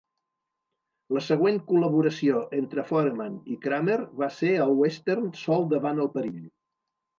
La següent col·laboració entre Foreman i Kramer va ser el western "Sol davant el perill".